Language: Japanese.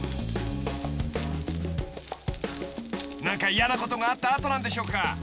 ［何か嫌なことがあった後なんでしょうか？］